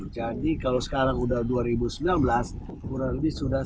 jadi kalau sekarang sudah dua ribu sembilan belas kurang lebih sudah sembilan belas